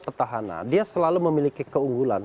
petahana dia selalu memiliki keunggulan